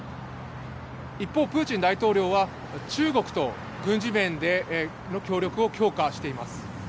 一方、プーチン大統領は中国と軍事面での協力を強化しています。